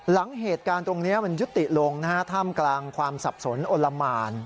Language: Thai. หลังเหตุการณ์ตรงนี้มันยุติลงนะฮะท่ามกลางความสับสนอนละหมาน